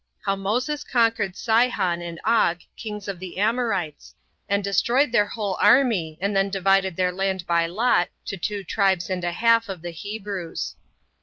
How Moses Conquered Sihon And Og Kings Of The Amorites, And Destroyed Their Whole Army And Then Divided Their Land By Lot To Two Tribes And A Half Of The Hebrews.